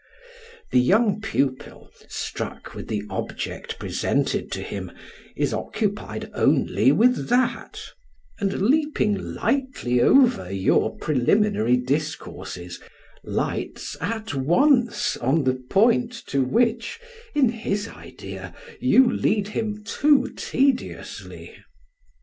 The young pupil, struck with the object presented to him, is occupied only with that, and leaping lightly over your preliminary discourses, lights at once on the point, to which, in his idea, you lead him too tediously.